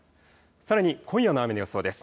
さらに今夜の雨の予想です。